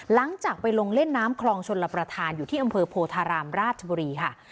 หลังจากไปลงเล่นน้ำคลองชนรับประทานอยู่ที่อำเภอโพธารามราชบุรีค่ะ